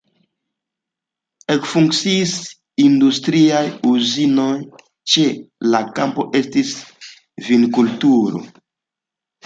Ekfunkciis industriaj uzinoj, ĉe la kampoj estis vinkulturo.